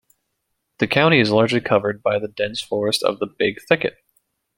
The county is largely covered by the dense forest of the Big Thicket.